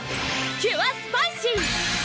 キュアスパイシー！